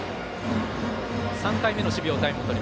３回目の守備のタイム。